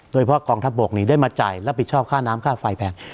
โดยเพราะกองทัพบกนี้ได้มาจ่ายรับผิดชอบค่าน้ำค่าไฟแพง